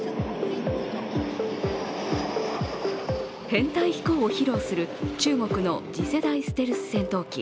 編隊飛行を披露する中国の次世代ステルス戦闘機、「殲２０」。